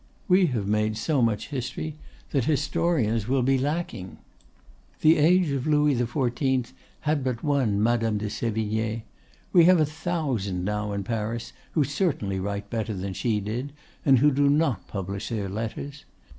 We have made so much history that historians will be lacking. The age of Louis XIV. had but one Madame de Sévigné; we have a thousand now in Paris who certainly write better than she did, and who do not publish their letters.